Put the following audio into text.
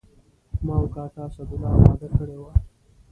ما او کاکا اسدالله وعده کړې وه.